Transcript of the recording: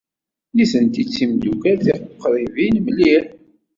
Nitenti d timeddukal tuqribin mliḥ.